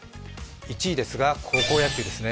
１位ですが、高校野球ですね。